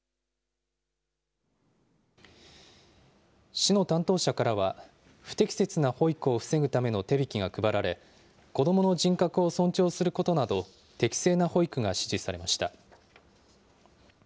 市の担当者からは、不適切な保育を防ぐための手引が配られ、子どもの人格を尊重することなど、適正な保育が指示されました。